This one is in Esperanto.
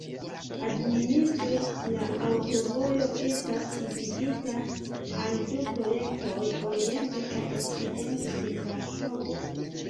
Administre la aŭtovojo estas dividita al du projektoj, oriente kaj okcidente de Braŝovo.